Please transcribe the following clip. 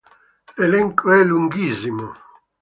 L'elenco è lunghissimo.